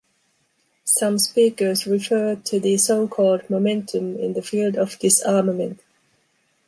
Some speakers referred to the so-called momentum in the field of disarmament.